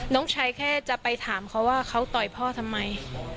น้องชายแค่จะไปถามเขาว่าเขาต่อยพ่อทำไม